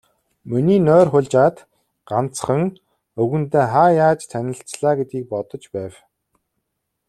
Миний нойр хулжаад, ганцхан, өвгөнтэй хаа яаж танилцлаа гэдгийг бодож байв.